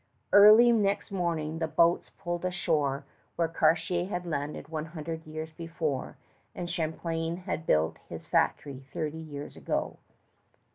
Early next morning the boats pulled in ashore where Cartier had landed one hundred years before and Champlain had built his factory thirty years ago.